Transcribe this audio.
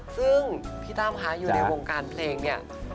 ซึ่งพี่ตั้มคะอยู่ในวงการเพลงเนี่ย